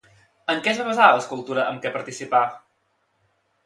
En què es va basar l'escultura amb què participà?